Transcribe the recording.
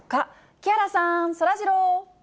木原さん、そらジロー。